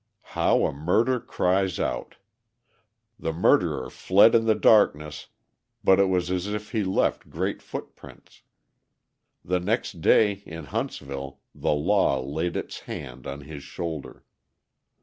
How a murder cries out! The murderer fled in the darkness but it was as if he left great footprints. The next day, in Huntsville, the law laid its hand on his shoulder.